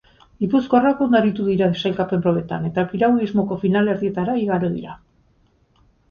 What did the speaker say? Gipuzkoarrak ondo aritu dira sailkapen probetan eta piraguismoko finalerdietara igaro dira.